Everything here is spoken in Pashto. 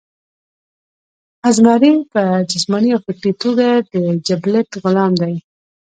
ازمرے پۀ جسماني او فکري توګه د جبلت غلام دے